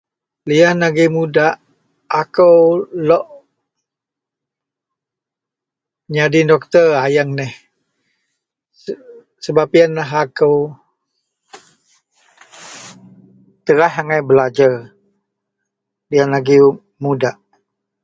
Liyan agei mudak akou lok jadi doktor ayeng neh. Sebab yenlah akou deraih angai belajer liyan agei mudak.